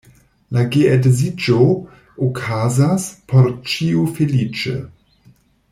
La geedziĝo okazas, por ĉiu feliĉe.